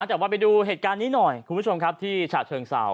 แต่ว่าไปดูเหตุการณ์นี้หน่อยคุณผู้ชมครับที่ฉะเชิงเศร้า